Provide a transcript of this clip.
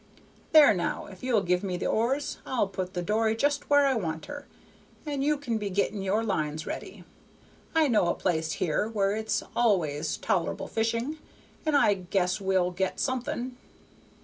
There now, if you'll give me the oars I'll put the dory just where I want her, and you can be getting your lines ready. I know a place here where it's always toler'ble fishing, and I guess we'll get something."